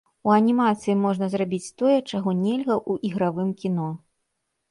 У анімацыі можна зрабіць тое, чаго нельга ў ігравым кіно.